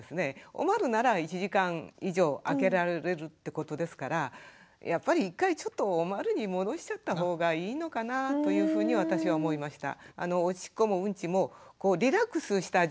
おまるなら１時間以上あけられるってことですからやっぱり一回ちょっとおまるに戻しちゃった方がいいのかなというふうに私は思いました。